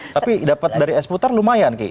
tapi dapat dari esputar lumayan kik